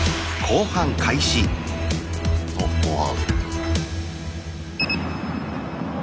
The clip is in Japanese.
おっ後半。